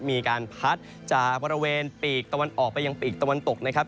มีการพัดจากบริเวณปีกตะวันออกไปยังปีกตะวันตกนะครับ